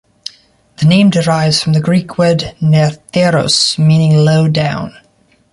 The name derives from the Greek word "nerteros", meaning low down.